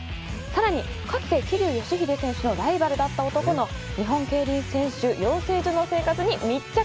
さらに、かつて桐生祥秀選手のライバルだった男が日本競輪選手養成所の生活に密着。